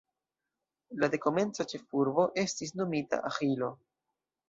La dekomenca ĉefurbo estis nomita Aĥilo.